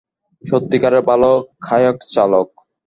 সত্যিকারের ভাল কায়াক চালক।